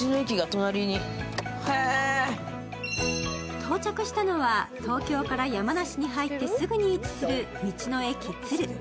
到着したのは東京から山梨に入ってすぐに位置する道の駅つる。